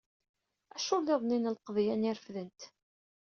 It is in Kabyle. Aculliḍ-nni n lqeḍyan ay refdent.